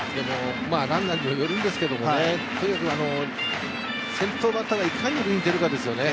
ランナーにもよるんですけどね、先頭バッターがいかに塁に出るかですよね。